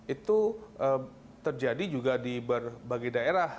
itu terjadi juga di berbagai daerah